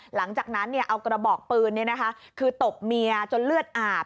หลังจากนั้นเอากระบอกปืนคือตบเมียจนเลือดอาบ